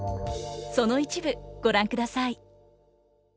その一部ご覧ください。